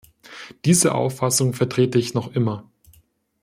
Diese Auffassung vertrete ich noch immer.